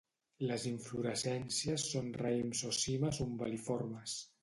Les inflorescències són raïms o cimes umbel·liformes.